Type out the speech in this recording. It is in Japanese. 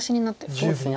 そうですね